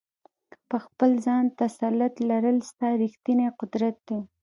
په خپل ځان تسلط لرل ستا ریښتینی قدرت دی.